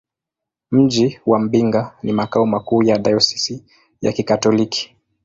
Mji wa Mbinga ni makao makuu ya dayosisi ya Kikatoliki.